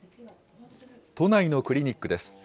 都内のクリニックです。